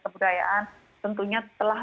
kebudayaan tentunya telah